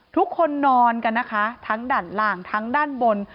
ทุกคนนอนกันนะคะทั้งด้านล่างทั้งด้านบน